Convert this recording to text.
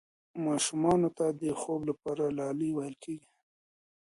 ماشومانو ته د خوب لپاره لالايي ویل کېږي.